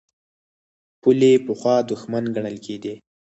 پولې پخوا دښمن ګڼل کېدې.